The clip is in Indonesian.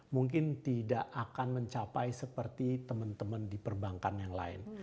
mungkin tidak akan mencapai seperti teman teman di perbankan yang lain